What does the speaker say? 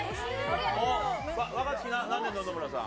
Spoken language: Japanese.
若槻、なんで野々村さん？